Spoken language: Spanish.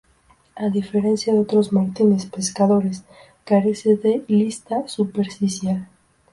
A diferencia de otros martines pescadores carece de lista superciliar.